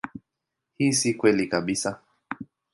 Hii si kweli kabisa.